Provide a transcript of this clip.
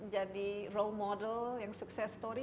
jadi role model yang sukses story